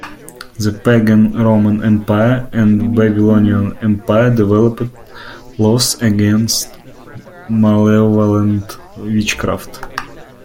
The pagan Roman Empire and Babylonian Empire developed laws against malevolent witchcraft.